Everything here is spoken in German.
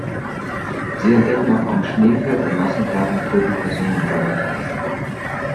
Sie entdecken auf einem Schneefeld ein Massengrab mit toten Personen und Körperteilen.